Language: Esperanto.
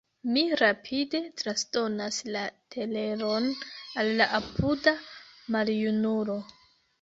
Mi rapide transdonas la teleron al la apuda maljunulo.